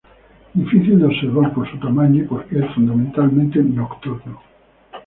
Difícil de observar por su tamaño y porque es fundamentalmente nocturno.